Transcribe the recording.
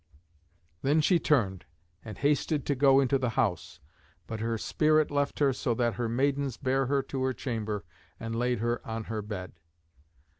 Then she turned, and hasted to go into the house. But her spirit left her, so that her maidens bare her to her chamber and laid her on her bed.